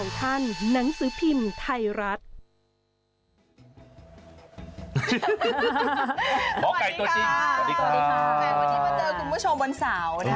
วันนี้มาเจอคุณผู้ชมวันเสาร์